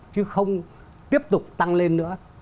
chứ không tiếp tục tăng lên nữa